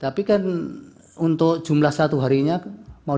tapi kan untuk jumlah satu harinya mau dikaitkan ya